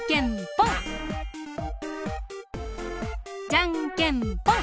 じゃんけんぽん！